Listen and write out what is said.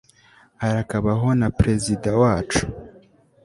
arakabaho na prezida wacu